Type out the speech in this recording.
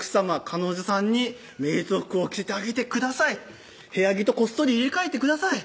彼女さんにメイド服を着せてあげてください部屋着とこっそり入れ替えてください